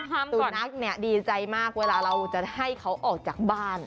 ห้ามก่อนนะครับตัวนักเนี่ยดีใจมากเวลาเราจะให้เขาออกจากบ้าน